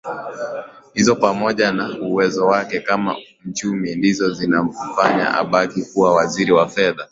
hizo pamoja na uwezo wake kama mchumi ndizo zilizomfanya abaki kuwa Waziri wa Fedha